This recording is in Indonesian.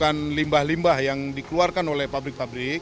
saya menemukan limbah limbah yang dikeluarkan oleh pabrik pabrik